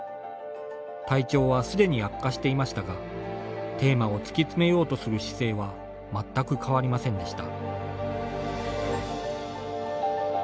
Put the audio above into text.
体調はすでに悪化していましたがテーマを突き詰めようとする姿勢は全く変わりませんでした。